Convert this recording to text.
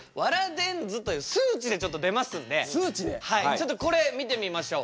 ちょっとこれ見てみましょう。